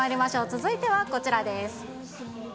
続いてはこちらです。